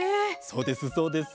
そうですそうです。